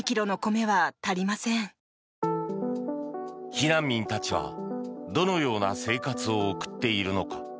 避難民たちはどのような生活を送っているのか。